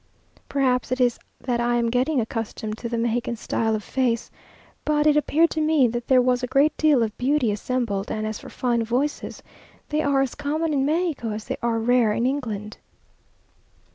Perhaps it is that I am getting accustomed to the Mexican style of face, but it appeared to me that there was a great deal of beauty assembled; and as for fine voices, they are as common in Mexico as they are rare in England....